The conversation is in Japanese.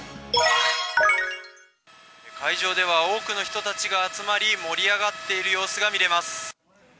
会場では多くの人たちが集まり、盛り上がっている様子が見れます。